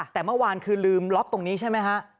แต่เมื่อวานคือลืมล็อกตรงนี้ใช่ไหมฮะ